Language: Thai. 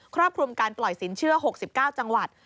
รอบคลุมการปล่อยสินเชื่อ๖๙จังหวัด